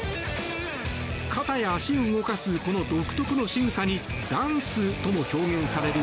肩や足を動かすこの独特のしぐさにダンスとも表現される